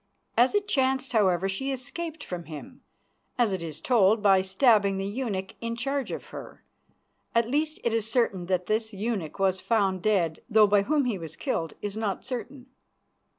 As it chanced, however, she escaped from him, as it is told by stabbing the eunuch in charge of her. At least it is certain that this eunuch was found dead, though by whom he was killed is not certain.